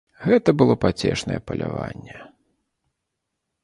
Гэта было пацешнае паляванне.